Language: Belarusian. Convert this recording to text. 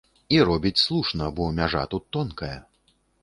І робіць слушна, бо мяжа тут тонкая.